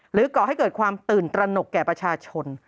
ก่อให้เกิดความตื่นตระหนกแก่ประชาชน